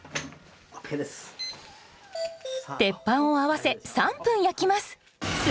鉄板を合わせ３分焼きます。